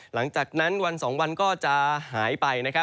หลังจากนั้นวันสองวันก็จะหายไป